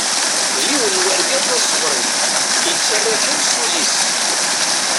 D yiwen n urgaz asebri, yettarra kan s ul-is.